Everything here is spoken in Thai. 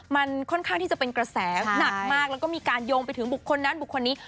มันค่อนข้างที่จะเป็นกระแสหนักมากแล้วก็มีการโยงไปถึงบุคคลนั้นบุคคลนี้